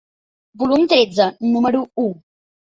Volum tretze, número u.